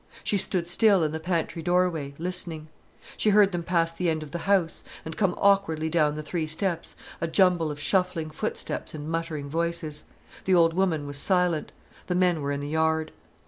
She stood still in the pantry doorway, listening. She heard them pass the end of the house, and come awkwardly down the three steps, a jumble of shuffling footsteps and muttering voices. The old woman was silent. The men were in the yard.